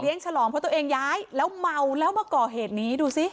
ตำรวจนายเองย้ายแล้วเมาแล้วมาก่อเหตุนี้ดูซิ